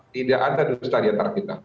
tidak ada dusta diantara kita